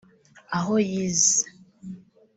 aho yize